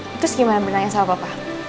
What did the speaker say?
terus gimana bernaik sama papa